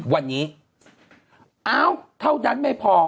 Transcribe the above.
วันนี้เท่านั้นไม่พอ